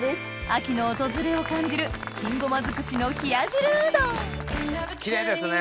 秋の訪れを感じる金ごま尽くしの冷や汁うどんキレイですね！